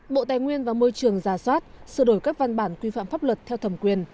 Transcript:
bộ tài nguyên và môi trường giả soát sửa đổi các văn bản quy phạm pháp luật theo thẩm quyền